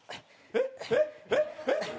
えっ？えっ？えっ？